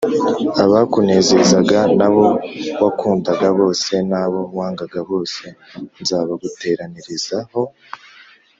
abakunezezaga n’abo wakundaga bose n’abo wangaga bose, nzabaguteranirizaho